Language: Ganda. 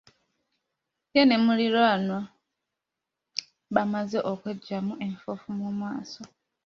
Ye ne muliranwa bamaze okweggyamu enfuufu mu maaso.